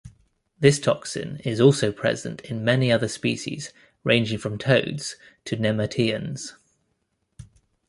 This toxin is also present in many other species ranging from toads to nemerteans.